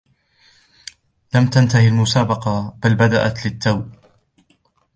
لم تنته المسابقة بل بدأت للتو